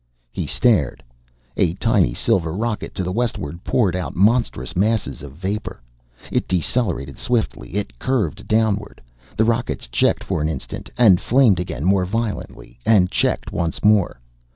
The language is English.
He stared. A tiny silver rocket to the westward poured out monstrous masses of vapor. It decelerated swiftly. It curved downward. The rockets checked for an instant, and flamed again more violently, and checked once more.